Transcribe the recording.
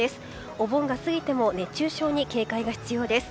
お盆が過ぎても熱中症に警戒が必要です。